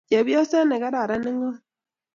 Chepyoset ne neran ne ngom